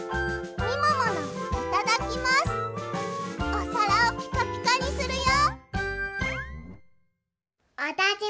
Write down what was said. おさらをピカピカにするよ！